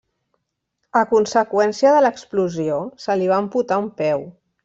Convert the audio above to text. A conseqüència de l'explosió, se li va amputar un peu.